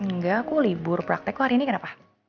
nggak aku libur praktek kok hari ini kenapa